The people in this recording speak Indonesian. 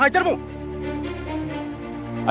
itu hanya prinsip sosial